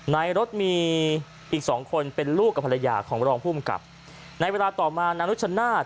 ในรถมีอีกสองคนเป็นลูกกับภรรยาของรองภูมิกับในเวลาต่อมานานุชนาธิ